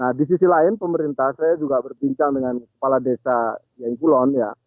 nah di sisi lain pemerintah saya juga berbincang dengan kepala desa yeng kulon ya